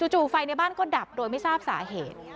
จู่ไฟในบ้านก็ดับโดยไม่ทราบสาเหตุ